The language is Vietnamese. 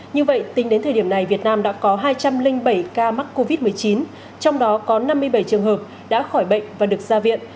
như vậy tính đến thời điểm này việt nam đã có hai trăm linh bảy ca mắc covid một mươi chín trong đó có năm mươi bảy trường hợp đã khỏi bệnh và được ra viện